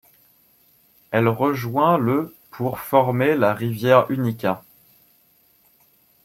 Elle rejoint le pour former la rivière Unica.